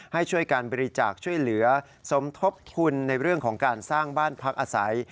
ให้ช่วยการบริจาคช่วยเหลือสมทบทุนในเรื่องของการสร้างบ้านพักอาศัย